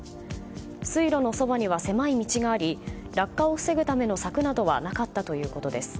水路のそばには狭い道があり落下を防ぐための柵などはなかったということです。